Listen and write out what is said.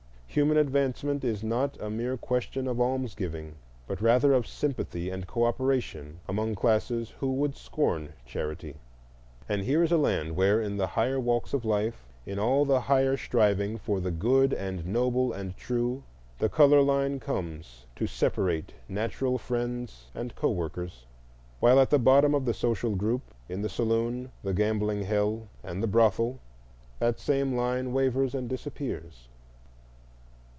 Human advancement is not a mere question of almsgiving, but rather of sympathy and cooperation among classes who would scorn charity. And here is a land where, in the higher walks of life, in all the higher striving for the good and noble and true, the color line comes to separate natural friends and coworkers; while at the bottom of the social group, in the saloon, the gambling hell, and the brothel, that same line wavers and disappears.